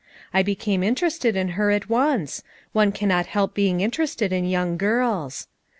I became interested in her at once ; one cannot help being interested in young girls.